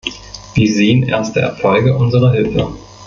Wir sehen erste Erfolge unserer Hilfe.